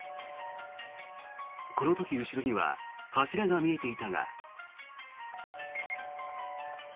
この時後ろには柱が見えていたが。